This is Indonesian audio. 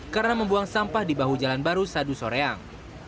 karena membuang sampah di bahu jalan baru sadu soreang